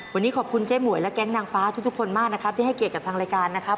วันนี้ขอบคุณเจ๊หมวยและแก๊งนางฟ้าทุกคนมากนะครับที่ให้เกียรติกับทางรายการนะครับ